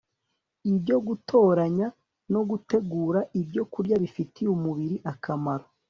ibyo gutoranya no gutegura ibyokurya bifitiye umubiri akamaro